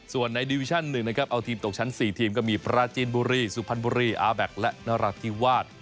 ส่วนในดิวิชั่น๑นะครับเอาทีมตกชั้น๔ทีมก็มีปราจีนบุรีสุพรรณบุรีอาแบ็คและนรัฐธิวาส